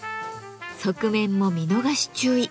側面も見逃し注意。